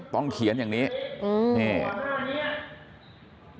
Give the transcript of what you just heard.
ต้องเขียนอย่างนี้อืมที่นี่